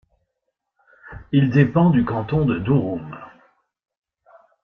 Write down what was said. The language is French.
Il dépend du canton de Douroum.